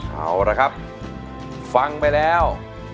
เอาละครับฟังไปแล้ว